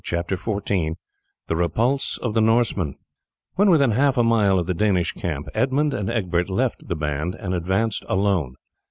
CHAPTER XIV: THE REPULSE OF THE NORSEMEN When within half a mile of the Danish camp Edmund and Egbert left the band and advanced alone.